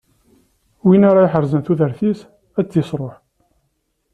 Win ara iḥerzen tudert-is, ad tt-isṛuḥ.